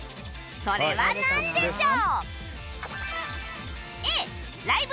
それはなんでしょう？